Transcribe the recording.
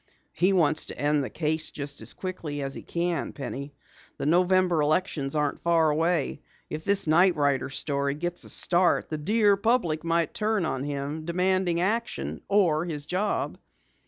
"He wants to end the case just as quickly as he can, Penny. The November elections aren't far away. If this night rider story gets a start, the dear public might turn on him, demanding action or his job."